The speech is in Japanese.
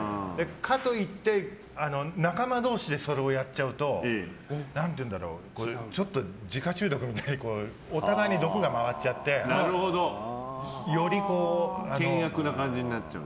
かといって、仲間同士でそれをやっちゃうとちょっと自家中毒みたいにお互いに毒が回っちゃって険悪な感じになっちゃう？